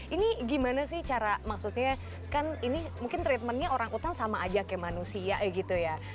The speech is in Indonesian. ini gimana sih cara maksudnya kan ini mungkin treatmentnya orang utang sama aja kayak manusia gitu ya